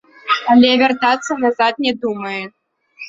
Але вяртацца назад не думае.